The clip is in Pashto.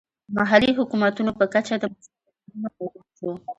محلي حکومتونو په کچه د مسوولیت منلو موډل شو.